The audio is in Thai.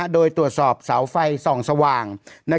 โดยตรวจสอบเสาไฟส่องสว่าง